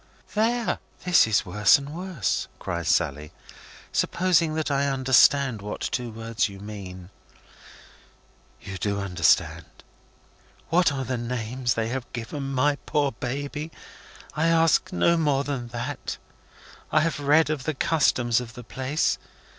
"There! This is worse and worse," cries Sally, "supposing that I understand what two words you mean." "You do understand. What are the names they have given my poor baby? I ask no more than that. I have read of the customs of the place.